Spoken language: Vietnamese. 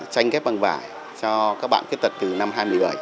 tranh ghép bằng vải cho các bạn khuyết tật từ năm hai nghìn một mươi bảy